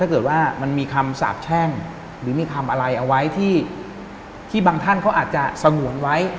เกิดว่ามันมีคำสาบแช่งหรือมีคำอะไรเอาไว้ที่บางท่านเขาอาจจะสงวนไว้